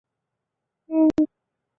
圣若塞代邦克人口变化图示